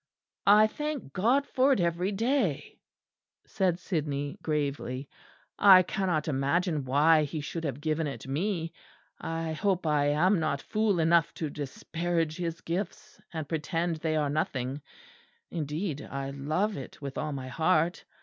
"I thank God for it every day," said Sidney gravely. "I cannot imagine why He should have given it me. I hope I am not fool enough to disparage His gifts, and pretend they are nothing: indeed, I love it with all my heart.